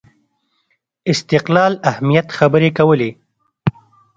استقلال اهمیت خبرې کولې